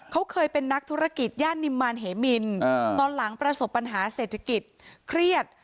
เขาเคยเป็นนักธุรกิจย่านนิมมารเหมินตอนหลังประสบปัญหาเศรษฐกิจเครียด